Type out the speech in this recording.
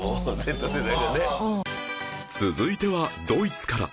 続いてはドイツから